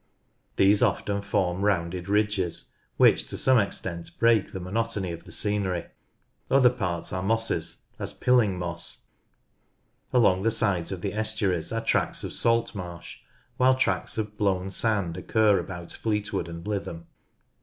These often form rounded ridges, which to some extent break the monotony of the scenery. Other parts are mosses, as Pilling Moss; along the sides of the estuaries are tracts ot salt marsh, while tracts of blown sand occur about Fleetwood and Lytham.